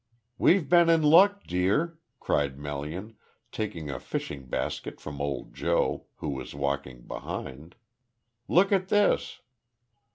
"We've been in luck, dear," cried Melian, taking a fishing basket from old Joe, who was walking behind. "Look at this."